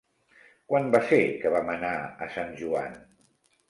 Quan va ser que vam anar a Sant Joan?